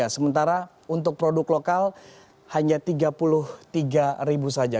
sementara untuk produk lokal hanya tiga puluh tiga ribu saja